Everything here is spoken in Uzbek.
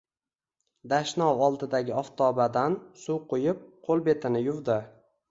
Dashnov oldidagi oftobadan suv quyib, qo`lbetini yuvdi